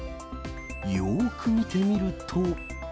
よーく見てみると。